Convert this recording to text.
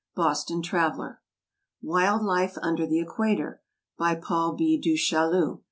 Boston Traveller. Wild Life under the Equator. By PAUL B. DU CHAILLU.